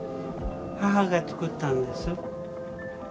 母が作ったんです。